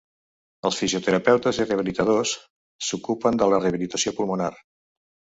Els fisioterapeutes i rehabilitadors s’ocupen de la rehabilitació pulmonar.